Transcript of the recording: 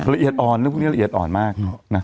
ละเอียดอ่อนเรื่องพวกนี้ละเอียดอ่อนมาก